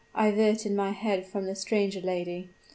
I averted my head from the stranger lady.